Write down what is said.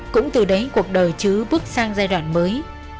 cũng từ đấy cuộc đời chứ bước sang giai đoạn mới